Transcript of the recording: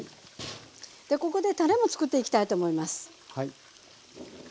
でここでたれもつくっていきたいと思います。